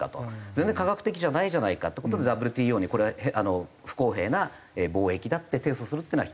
全然科学的じゃないじゃないかという事でＷＴＯにこれは不公平な貿易だって提訴するっていうのは１つの。